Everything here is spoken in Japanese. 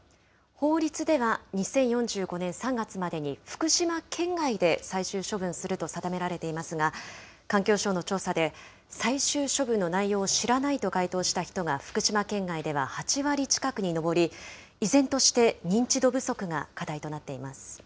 法律では２０４５年３月までに福島県外で最終処分すると定められていますが、環境省の調査で、最終処分の内容を知らないと回答した人が福島県外では８割近くに上り、依然として認知度不足が課題となっています。